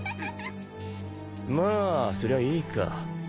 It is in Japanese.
まあそりゃいいか。